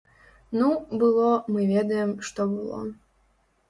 Ну, было, мы ведаем, што было.